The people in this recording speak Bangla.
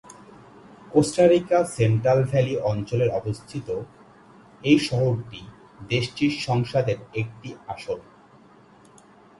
কোস্টা রিকার সেন্ট্রাল ভ্যালি অঞ্চলে অবস্থিত এই শহরটি দেশটির সংসদের একটি আসন।